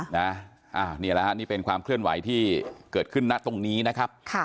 นี่แหละฮะนี่เป็นความเคลื่อนไหวที่เกิดขึ้นนะตรงนี้นะครับ